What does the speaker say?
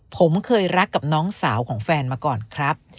ผมเคยรักกับน้องสาวของแฟนมาก่อนครับ